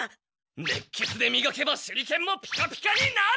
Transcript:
熱血でみがけば手裏剣もピカピカになる！